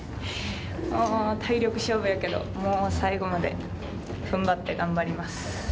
体力勝負やけど最後まで踏ん張って頑張ります。